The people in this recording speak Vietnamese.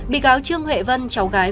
bị cáo trương huệ vân cháu gái